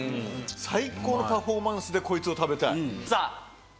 最高のパフォーマンスでこいつを食べたい。